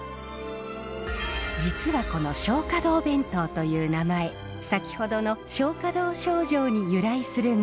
実はこの「松花堂弁当」という名前先ほどの松花堂昭乗に由来するんです。